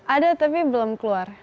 ada tapi belum keluar